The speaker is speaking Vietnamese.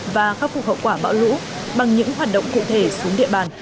và khắc phục hậu quả bão lũ bằng những hoạt động cụ thể xuống địa bàn